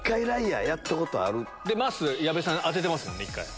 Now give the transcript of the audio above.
まっすー矢部さん当ててますもんね。